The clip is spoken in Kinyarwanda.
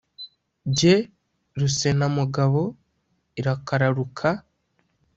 Jye Rusenamugabo irakararuka